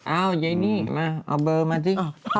อ้าวเย้นี้เอาเบอร์มาสิ